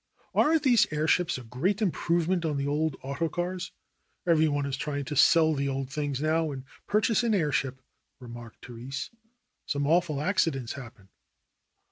"Aren't these airships a great improvement on the old auto cars? Every one is trying to sell the old things now and purchase an airship/' remarked Therese. "Some awful accidents happen."